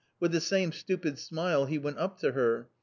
With the same stupid smile he went up to her.